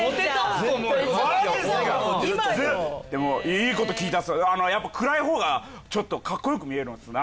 ⁉でもいいこと聞いたっすやっぱ暗いほうがちょっとかっこよく見えるんすな